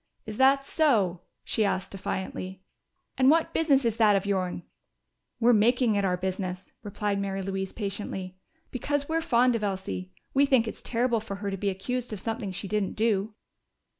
"Is that so?" she asked defiantly. "And what business is that of your'n?" "We're making it our business," replied Mary Louise patiently, "because we're fond of Elsie. We think it's terrible for her to be accused of something she didn't do."